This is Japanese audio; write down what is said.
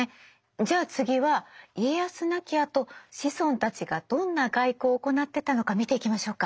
じゃあ次は家康亡きあと子孫たちがどんな外交を行ってたのか見ていきましょうか。